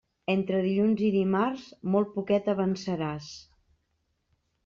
Entre dilluns i dimarts, molt poquet avançaràs.